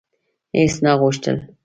هیڅ نه غوښتل: